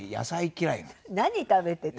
何食べてた？